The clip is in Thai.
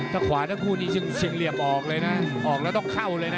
ถ้าขวาทั้งคู่นี้ชิงเหลี่ยมออกเลยนะออกแล้วต้องเข้าเลยนะ